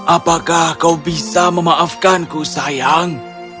apakah kau bisa memaafkanku sayang